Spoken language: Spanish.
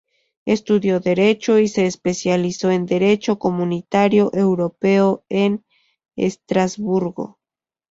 Estudió Derecho y se especializó en derecho comunitario europeo en Estrasburgo.